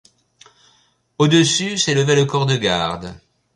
Au-dessus s'élevait le corps de garde.